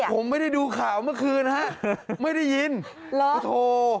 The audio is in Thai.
ผมไม่ได้ดูข่าวเมื่อคืนฮะไม่ได้ยินหรอโถ